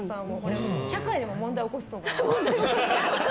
社会でも問題起こすと思います。